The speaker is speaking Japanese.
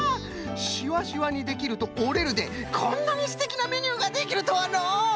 「しわしわにできる」と「おれる」でこんなにすてきなメニューができるとはのう！